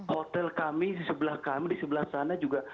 hotel kami di sebelah kami di sebelah sana juga